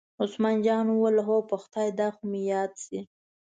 عثمان جان وویل: هو په خدای دا خو مې یاد شي.